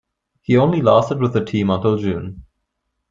He only lasted with the team until June.